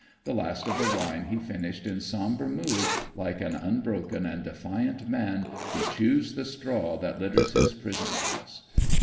The last of the wine he finished in somber mood like an unbroken and defiant man who chews the straw that litters his prison house.